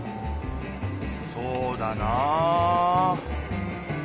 そうだな。